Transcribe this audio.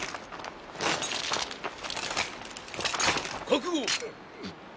覚悟！